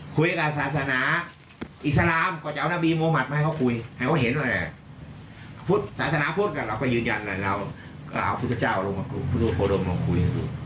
พุทธศาสนาพุทธก็เราก็ยืนยันเราก็เอาพุทธเจ้าลงมาพุทธโภดมลงคุย